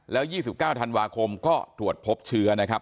แล้ว๒๙ธันวาคมก็ตรวจพบเชื้อนะครับ